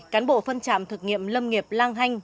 cán bộ phân trạm thực nghiệm lâm nghiệp lang hanh